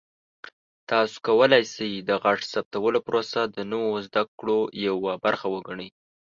تاسو کولی شئ د غږ ثبتولو پروسه د نوو زده کړو یوه برخه وګڼئ.